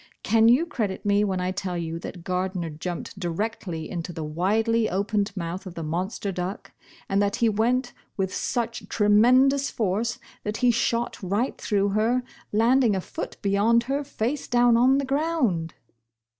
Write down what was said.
Can you credit me, when I tell you that Gardner jumped directly into the widely opened mouth of the monster duck, and that he went with such tre mendotis force that he shot right through her, land ing a foot beyond her, face down, on the ground